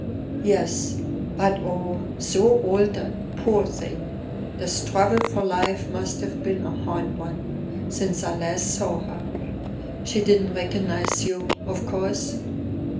"Yes. But oh, so altered, poor thing! The struggle for life must have been a hard one, since I last saw her." "She didn't recognize you, of course?"